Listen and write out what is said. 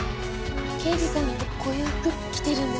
刑事さんってこういう服着てるんですね。